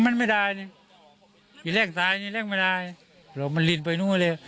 มันไม่ได้นี่เล่งไทยนี่เล่งไม่ได้หรอมันลินไปนู่นไปเลย